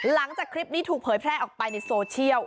หลังจากคลิปนี้ถูกเผยแพร่ออกไปในโซเชียล